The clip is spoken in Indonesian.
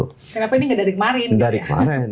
kenapa ini tidak dari kemarin